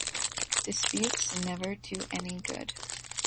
Disputes never do any good.